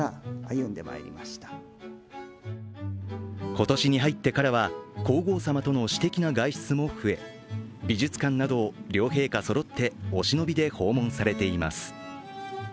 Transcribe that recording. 今年に入ってからは皇后さまとの私的な外出も増え、美術館などを両陛下そろってお忍びで訪問されています。